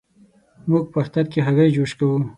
موږ په اختر کې هګی جوش کوو.